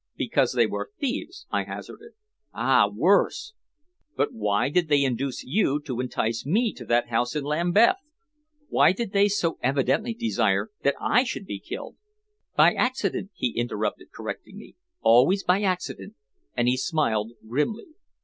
"Because they were thieves?" I hazarded. "Ah, worse!" "But why did they induce you to entice me to that house in Lambeth? Why did they so evidently desire that I should be killed?" "By accident," he interrupted, correcting me. "Always by accident," and he smiled grimly.